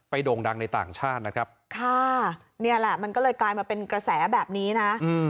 โด่งดังในต่างชาตินะครับค่ะนี่แหละมันก็เลยกลายมาเป็นกระแสแบบนี้นะ